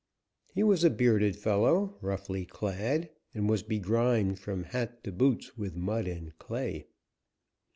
He was a bearded fellow, roughly clad, and was begrimed from hat to boots with mud and clay.